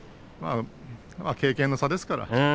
経験の差ですからね。